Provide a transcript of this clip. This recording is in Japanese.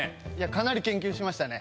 かなり研究しましたね。